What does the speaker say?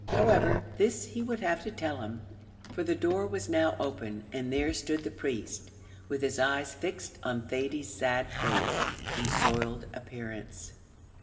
However, this he would have to tell him; for the door was now open, and there stood the priest, with his eyes fixed on Thady's sad face and soiled appearance.